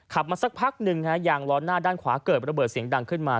มาสักพักหนึ่งยางล้อหน้าด้านขวาเกิดระเบิดเสียงดังขึ้นมา